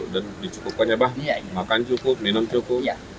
dan dicukupkan ya abah makan cukup minum cukup